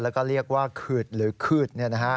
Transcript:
แล้วก็เรียกว่าขืดหรือขืด